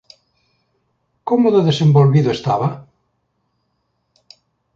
Como de desenvolvido estaba?